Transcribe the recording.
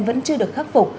vẫn chưa được khắc phục